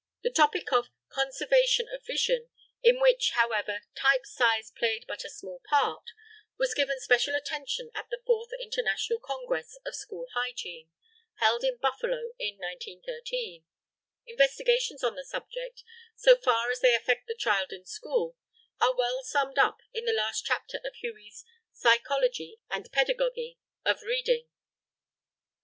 The topic of "Conservation of Vision," in which, however, type size played but a small part, was given special attention at the Fourth International Congress of School Hygiene, held in Buffalo in 1913. Investigations on the subject, so far as they affect the child in school, are well summed up in the last chapter of Huey's "Psychology and Pedagogy of Reading."